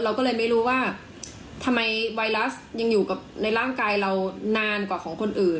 เราก็เลยไม่รู้ว่าทำไมไวรัสยังอยู่กับในร่างกายเรานานกว่าของคนอื่น